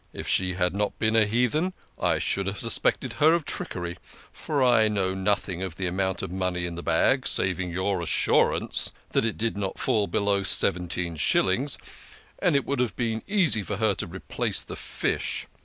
If she had not been a heathen I should have suspected her of trickery, for I knew nothing of the amount of money in the bag, saving your assurance that it did not fall below seventeen shillings, and it would have been easy for her to replace the fish.